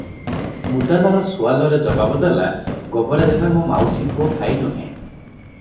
ମୁଦାଲାର ସୁଆଲରେ ଜବାବ ଦେଲା -"ଗୋବରା ଜେନା ମୋ ମାଉସୀ ପୁଅ ଭାଇ ନୁହେଁ ।